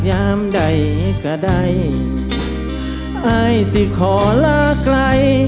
ยามใดก็ได้อายสิขอลาไกล